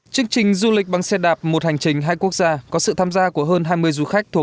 chương trình du lịch bằng xe đạp một hành trình hai quốc gia có sự tham gia của hơn hai mươi du khách thuộc